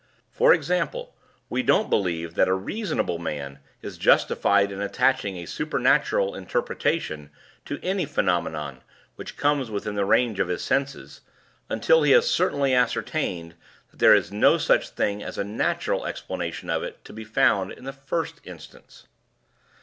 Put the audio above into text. For example, we don't believe that a reasonable man is justified in attaching a supernatural interpretation to any phenomenon which comes within the range of his senses, until he has certainly ascertained that there is no such thing as a natural explanation of it to be found in the first instance."